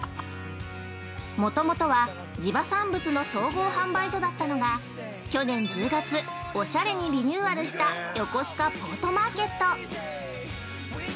◆もともとは、地場産物の総合販売所だったのが去年１０月、おしゃれにリニューアルした横須賀ポートマーケット。